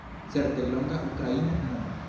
Certe longa Ukraina nomo